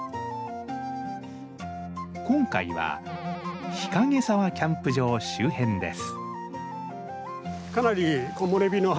今回は日影沢キャンプ場周辺です。